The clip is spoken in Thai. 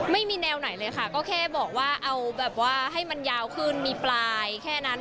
ไม่มีแนวไหนเลยค่ะก็แค่บอกว่าเอาแบบว่าให้มันยาวขึ้นมีปลายแค่นั้น